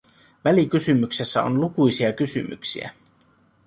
Välikysymyksessä on lukuisia kysymyksiä.